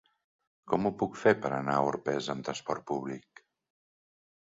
Com ho puc fer per anar a Orpesa amb transport públic?